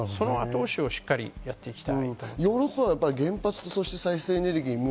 その後押しをやっていきたい。